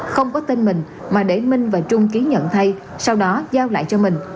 không có tên mình mà để minh và trung ký nhận thay sau đó giao lại cho mình